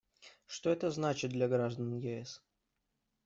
Что это значит для граждан ЕС?